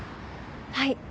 はい。